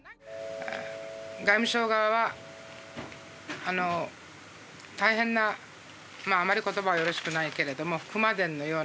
外務省側はあの大変なまああまり言葉はよろしくないけれども。